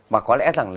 mà có lẽ rằng